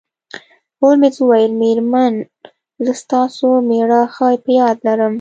هولمز وویل میرمن زه ستاسو میړه ښه په یاد لرم